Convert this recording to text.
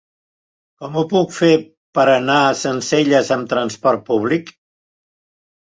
Com ho puc fer per anar a Sencelles amb transport públic?